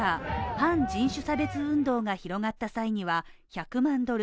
反人種差別運動が広がった際には１００万ドル